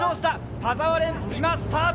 田澤廉、今スタート。